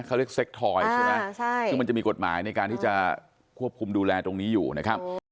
เขาเรียกเซ็กทอยใช่ไหมซึ่งมันจะมีกฎหมายในการที่จะควบคุมดูแลตรงนี้อยู่นะครับ